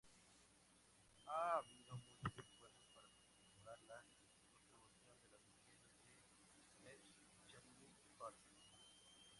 Ha habido muchos esfuerzos para conmemorar la contribución de las mujeres de Bletchley Park.